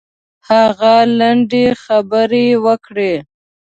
هغه لنډې خبرې وکړې.